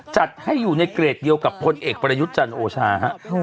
จัดให้อยู่ในเกรดเดียวกับพลเอกประยุทธ์จันทร์โอชาฮะ